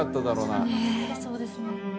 ねえそうですね。